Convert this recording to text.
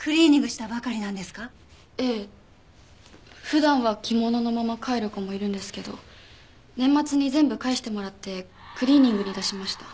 普段は着物のまま帰る子もいるんですけど年末に全部返してもらってクリーニングに出しました。